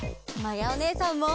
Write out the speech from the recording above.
まやおねえさんも。